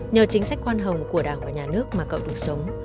nhờ chính sách quan hồng của đảng và nhà nước mà cậu được sống